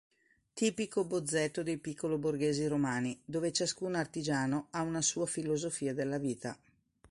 Tipico bozzetto dei piccolo-borghesi romani, dove ciascun artigiano ha una sua filosofia della vita.